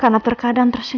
karena terkadang tersenyum